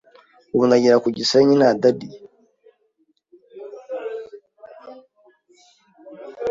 Ubu ndagera ku Gisenyi nta Daddy